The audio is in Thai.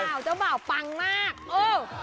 เจ้าบ่าวปังมาก